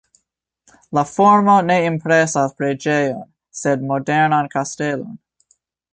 La formo ne impresas preĝejon, sed modernan kastelon.